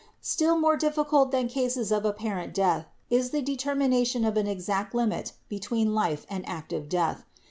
Still more difficult than cases of apparent death is the determination of an exact limit between life and active death.